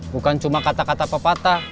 bukan cuma kata kata pepatah